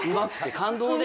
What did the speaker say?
感動で？